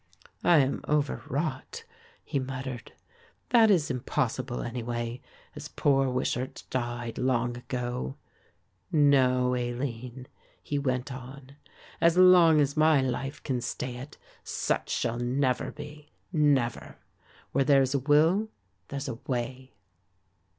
"I am overwrought," he muttered; "that is impossible anyway, as poor Wishart died long ago. No, Aline," he went on, "as long as my life can stay it, such shall never be, never. Where there's a will, there's a way."